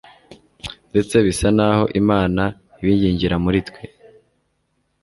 ndetsc bisa naho Imana ibingingira muri twe.